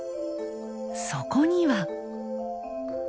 そこには。